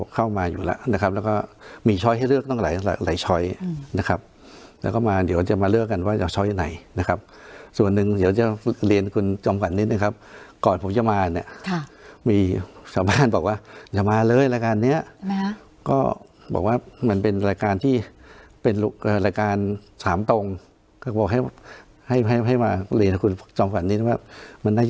เข้ามาอยู่แล้วนะครับแล้วก็มีช้อยให้เลือกตั้งหลายหลายช้อยนะครับแล้วก็มาเดี๋ยวจะมาเลือกกันว่าจะช้อยไหนนะครับส่วนหนึ่งเดี๋ยวจะเรียนคุณจอมขวัญนิดนึงครับก่อนผมจะมาเนี่ยมีชาวบ้านบอกว่าอย่ามาเลยรายการเนี้ยนะฮะก็บอกว่ามันเป็นรายการที่เป็นรายการถามตรงก็บอกให้ให้มาเรียนคุณจอมขวัญนิดนึงว่ามันน่าจะ